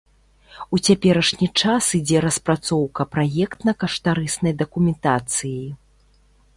У цяперашні час ідзе распрацоўка праектна-каштарыснай дакументацыі.